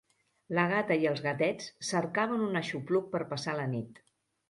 La gata i els gatets cercaven un aixopluc per passar la nit